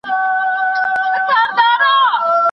کره کتونکی استاد به تل پر خپلو نظرونو ټینګار کوي.